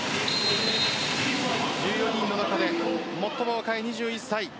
１４人の中で最も若い２１歳。